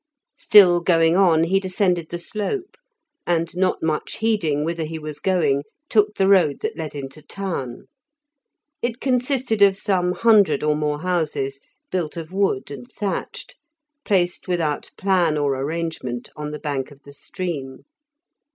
Still going on, he descended the slope, and not much heeding whither he was going, took the road that led into town. It consisted of some hundred or more houses, built of wood and thatched, placed without plan or arrangement on the bank of the stream.